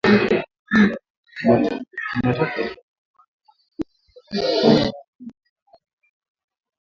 Ninataka kua wazi na kila mtu kwamba hiyo si mahakama yetu